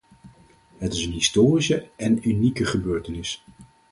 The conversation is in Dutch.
Het is een historische en unieke gebeurtenis.